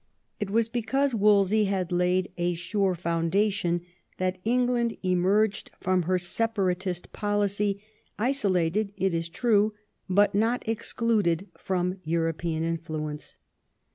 It was because Wolsey had laid a sure f oimdation that England emerged from her separatist policy, isolated, it iB true, but not excluded from European influence.